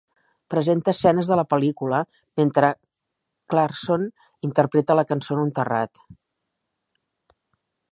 Presenta escenes de la pel·lícula, mentre Clarkson interpreta la cançó en un terrat.